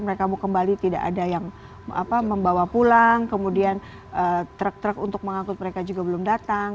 mereka mau kembali tidak ada yang membawa pulang kemudian truk truk untuk mengangkut mereka juga belum datang